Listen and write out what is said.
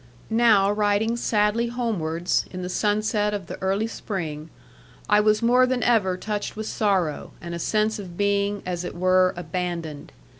Now riding sadly homewards, in the sunset of the early spring, I was more than ever touched with sorrow, and a sense of being, as it were, abandoned.